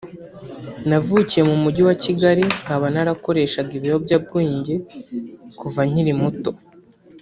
”Navukiye mu mujyi wa Kigali nkaba narakoreshaga ibiyobyabwenge kuva nkiri muto